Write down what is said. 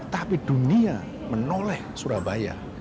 tapi dunia menoleh surabaya